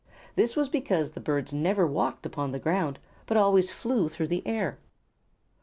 This was because the birds never walked upon the ground, but always flew through the air.